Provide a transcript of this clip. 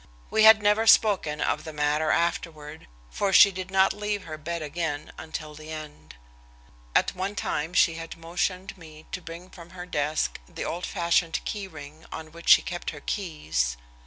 We had never spoken of the matter afterward, for she did not leave her bed again until the end. At one time she had motioned me to bring from her desk the old fashioned key ring on which she kept her keys.